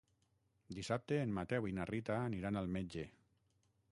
Dissabte en Mateu i na Rita aniran al metge.